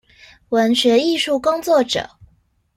文學藝術工作者